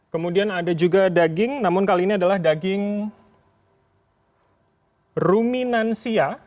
kemudian ada juga daging namun kali ini adalah daging ruminansia